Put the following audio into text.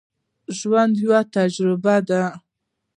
ژوند یوه تجربه ده.